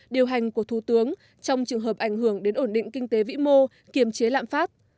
điều hành của thủ tướng trong trường hợp ảnh hưởng đến ổn định kinh tế vĩ mô kiềm chế lạm phát